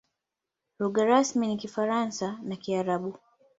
Lugha rasmi ni Kifaransa na Kiarabu.